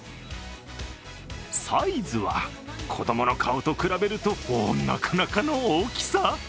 サイズは子供の顔と比べるとなかなかの大きさ。